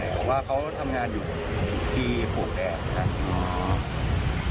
เพราะว่าเขาทำงานอยู่ที่ภูมิแดงนะครับ